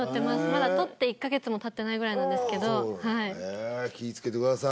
まだ取って１カ月もたってないぐらいなんですけどはいへえ気いつけてください